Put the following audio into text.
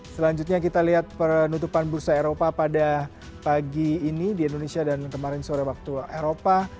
selanjutnya kita lihat penutupan bursa eropa pada pagi ini di indonesia dan kemarin sore waktu eropa